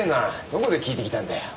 どこで聞いてきたんだよ。